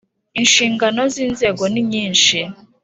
Inshingano z ‘inzego ninyishi.